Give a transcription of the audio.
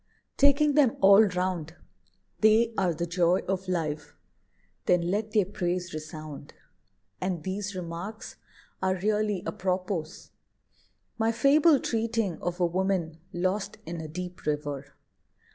Taking them all round, They are the joy of life, then let their praise resound. And these remarks are really apropos: My fable treating of a woman lost In a deep river.